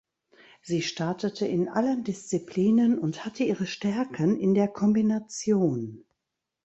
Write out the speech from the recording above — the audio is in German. Sie startete in allen Disziplinen und hatte ihre Stärken in der Kombination.